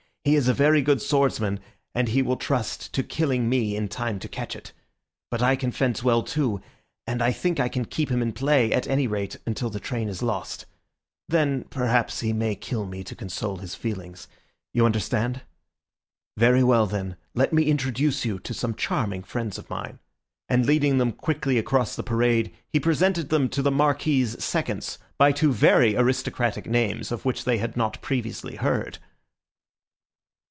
He is a very good swordsman, and he will trust to killing me in time to catch it. But I can fence well too, and I think I can keep him in play, at any rate, until the train is lost. Then perhaps he may kill me to console his feelings. You understand? Very well then, let me introduce you to some charming friends of mine," and leading them quickly across the parade, he presented them to the Marquis's seconds by two very aristocratic names of which they had not previously heard.